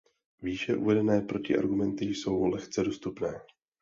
Výše uvedené protiargumenty jsou lehce dostupné.